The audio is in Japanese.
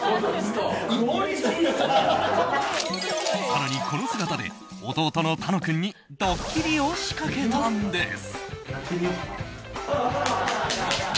更に、この姿で弟の楽君にドッキリを仕掛けたんです。